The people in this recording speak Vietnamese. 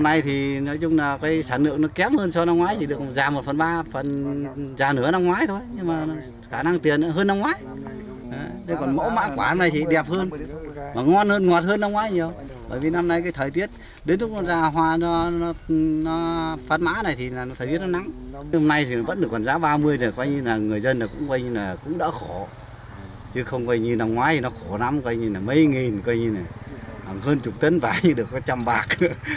nên là cũng đã khổ chứ không như năm ngoái thì nó khổ lắm coi như là mấy nghìn coi như là hơn chục tấn vải được có trăm bạc